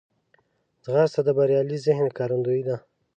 ځغاسته د بریالي ذهن ښکارندوی ده